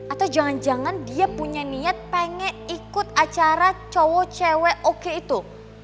atau jangan jangan dia punya niat pengen ikut acara cowo cewek oke itu